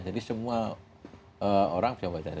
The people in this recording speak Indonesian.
jadi semua orang bisa membaca